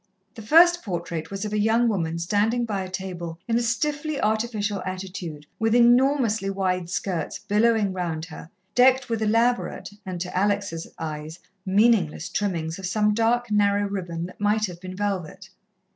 The first portrait was of a young woman standing by a table in a stiffly artificial attitude, with enormously wide skirts billowing round her, decked with elaborate, and, to Alex' eyes meaningless, trimmings of some dark, narrow ribbon that might have been velvet.